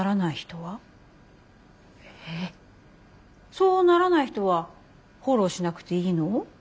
そうならない人はフォローしなくていいの？